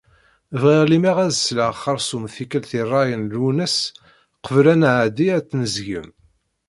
Bɣiɣ lemmer ad sleɣ xersum tikelt i rray n Lwennas qbel ad nεeddi ad tt-nezgem.